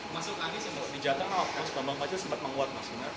masukkan di jakarta atau bambangkaju sebab menguat